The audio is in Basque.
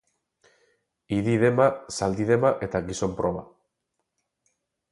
Idi-dema, zaldi-dema eta gizon-proba.